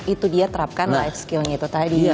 itu dia terapkan life skillnya itu tadi